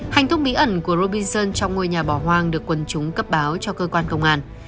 hành thông bí ẩn của robinson trong ngôi nhà bỏ hoang được quần chúng cấp báo cho cơ quan công an